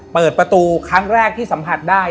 เปิดประตูครั้งแรกที่สัมผัสได้